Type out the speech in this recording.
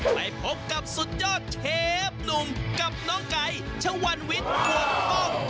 ไปพบกับสุดยอดเชฟหนุ่มกับน้องไก่ชวันวิทย์ปวงป้อง